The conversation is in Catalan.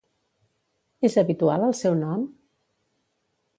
És habitual el seu nom?